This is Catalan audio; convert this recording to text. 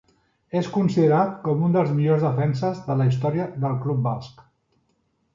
És considerat com un dels millors defenses de la història del club basc.